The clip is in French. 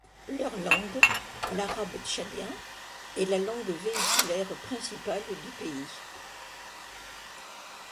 Leur langue, l'arabe tchadien, est la langue véhiculaire principale du pays.